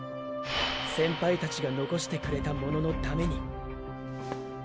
先輩たちが残してくれたもののために。